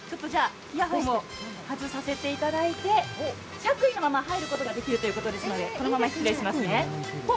イヤホンを外させていただいて、着衣のまま入ることができるということで、このまま失礼します。